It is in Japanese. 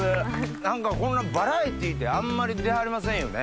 何かこんなバラエティーってあんまり出はりませんよね？